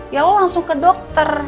ya lo langsung ke dokter